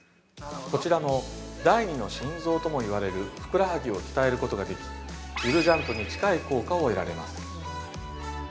こちらの第２の心臓とも言われるふくらはぎを鍛えることができゆるジャンプに近い効果が得られます。